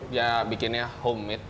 dia bikinnya homemade